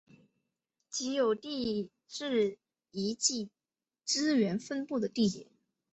即有地质遗迹资源分布的地点。